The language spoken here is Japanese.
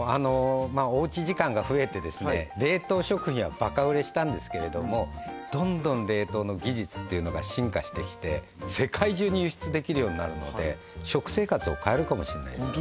おうち時間が増えて冷凍食品はバカ売れしたんですけれどもどんどん冷凍の技術というのが進化してきて世界中に輸出できるようになるので食生活を変えるかもしれないですよね